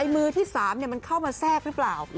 มือที่๓มันเข้ามาแทรกหรือเปล่า